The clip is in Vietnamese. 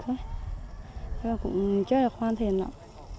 thế là cũng chết là khoan thiền lọc